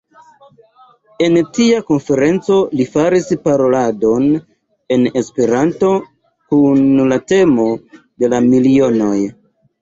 En tia konferenco li faris paroladon en Esperanto kun la temo de la Milionoj.